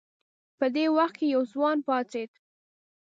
په دې وخت کې یو ځوان پاڅېد.